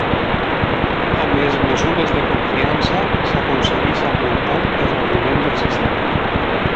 Amb les mesures de confiança s'aconsegueix augmentar el rendiment del sistema.